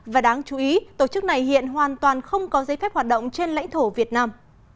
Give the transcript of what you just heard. và đáng chú ý tổ chức này hiện hoàn toàn không có giấy phép hoạt động trên lãnh thổ việt nam